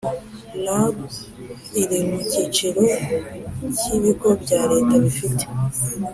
Rab iri mu cyiciro cy ibigo bya leta bifite